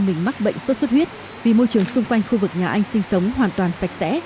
mình mắc bệnh sốt xuất huyết vì môi trường xung quanh khu vực nhà anh sinh sống hoàn toàn sạch sẽ